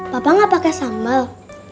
bapak nggak pakai sambal